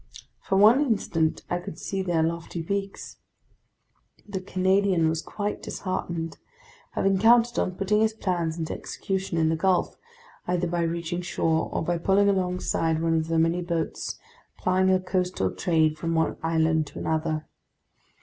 For one instant I could see their lofty peaks. The Canadian was quite disheartened, having counted on putting his plans into execution in the gulf, either by reaching shore or by pulling alongside one of the many boats plying a coastal trade from one island to another.